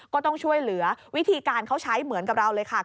ก็ต้องช่วยเหลือวิธีการเขาใช้เหมือนกับเราเลยค่ะ